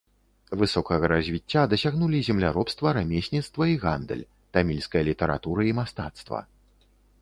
Высокага развіцця дасягнулі земляробства, рамесніцтва і гандаль, тамільская літаратура і мастацтва.